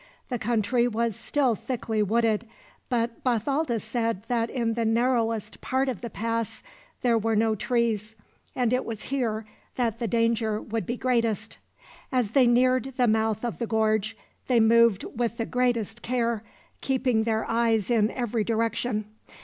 The country was still thickly wooded, but Bathalda said that in the narrowest part of the pass there were no trees, and it was here that the danger would be greatest. As they neared the mouth of the gorge they moved with the greatest care, keeping their eyes in every direction.